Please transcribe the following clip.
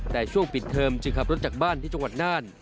แต่ช่วงปิดเทอมจึงขับรถจากบ้านที่จังหวัดน่าน